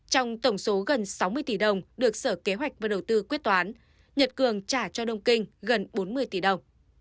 trong tổng số gần sáu mươi tỷ đồng được sở kế hoạch và đầu tư quyết toán nhật cường trả cho đông kinh gần bốn mươi tỷ đồng